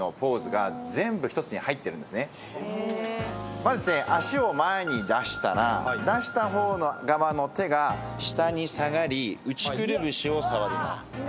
まず足を前に出したら出した方の側の手が下に下がり内くるぶしを触ります。